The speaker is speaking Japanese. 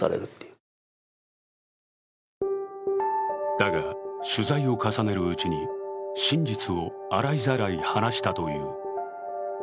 だが、取材を重ねるうちに真実を洗いざらい話したという。